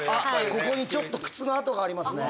ここにちょっと靴の跡がありますね